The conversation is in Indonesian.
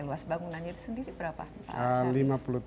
luas bangunannya itu sendiri berapa pak